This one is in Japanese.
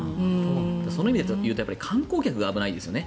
その意味で言うと観光客が危ないですね。